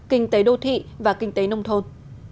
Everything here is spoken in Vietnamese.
kinh tế đô thị và kinh tế nông thôn